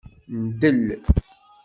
Ndel.